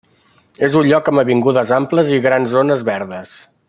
És un lloc amb avingudes amples i grans zones verdes.